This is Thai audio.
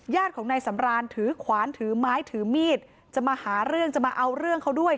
ของนายสำรานถือขวานถือไม้ถือมีดจะมาหาเรื่องจะมาเอาเรื่องเขาด้วย